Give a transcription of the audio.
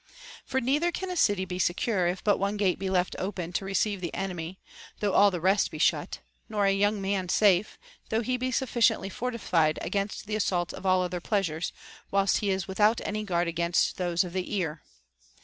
For neither can a city be secure if but one gate be left open to receive the enemy, though all the rest be shut ; nor a young man safe, though he be sufficiently fortified against the assaults of all other pleasures, whilst he is without any guard against those of the ear.